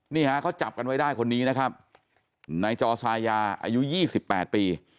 นี่ฮะเขาจับกันไว้ได้คนนี้นะครับนายจอซายาอายุ๒๘ปี